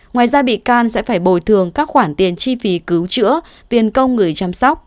ngoài ra bị can sẽ phải bồi thường các khoản tiền chi phí cứu chữa tiền công người chăm sóc